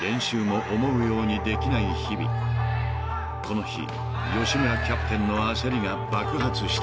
［この日吉村キャプテンの焦りが爆発した］